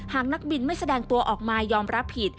หากนักบินไม่แสดงตัวออกมายอมรับผิด